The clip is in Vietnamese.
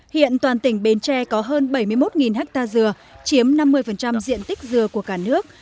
hiện toàn tỉnh bến tre có hơn bảy mươi một ha dừa chiếm năm mươi diện tích dừa của cả nước